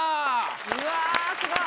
うわすごい。